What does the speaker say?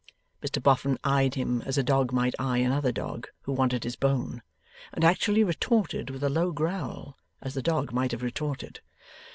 Mr Boffin eyed him as a dog might eye another dog who wanted his bone; and actually retorted with a low growl, as the dog might have retorted.